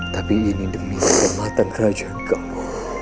tapi ini demi kehormatan kerajaan kamu